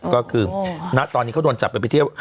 ก็คือณตอนนี้เขาโดนจับกันไปเที่ยว